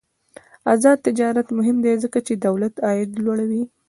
آزاد تجارت مهم دی ځکه چې دولت عاید لوړوي.